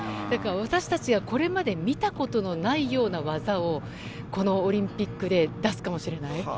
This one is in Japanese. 私たちが、これまで見たことのないような技をこのオリンピックで出すかもしれない。